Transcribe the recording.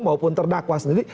maupun terdakwa sendiri